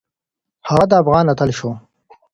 هغه د افغان اتل شو